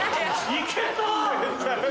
いけた！